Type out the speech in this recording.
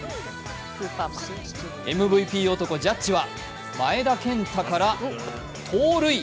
ＭＶＰ男・ジャッジは前田健太から盗塁。